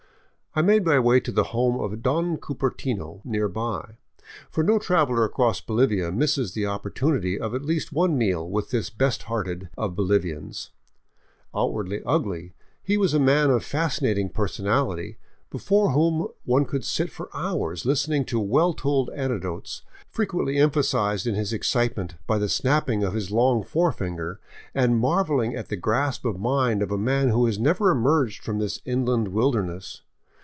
I made my way to the home of " Don Cupertino " nearby, for no traveler across Bolivia misses the opportunity of at least one meal with this best hearted of Bolivians. Outwardly ugly, he was a man of fascinating personality, before whom one could sit for hours listening to well told anecdotes, frequently emphasized in his excitement by the snapping of his long forefinger, and marveling at the grasp of mind of a man who has never emerged from this inland wilderness.